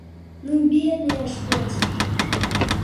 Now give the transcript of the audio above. Ну бедныя ж коцікі!